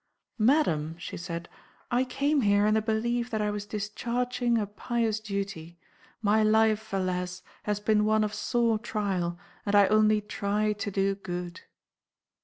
"Madam," she said, "I came here in the belief that I was discharging a pious duty. My life, alas! has been one of sore trial, and I only try to do good."